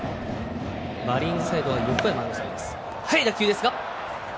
マリーンズサイドは横山アナウンサーです。